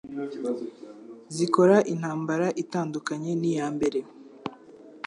Zikora intambara itandukanye n'iyambere